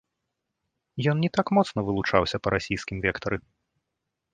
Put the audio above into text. Ён не так моцна вылучаўся па расійскім вектары.